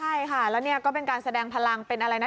ใช่ค่ะแล้วเนี่ยก็เป็นการแสดงพลังเป็นอะไรนะ